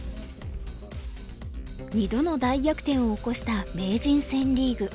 ２度の大逆転を起こした名人戦リーグ。